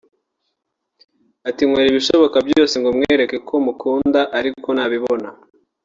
Ati “Nkora ibishoboka byose ngo mwereke ko mukunda ariko ntabibona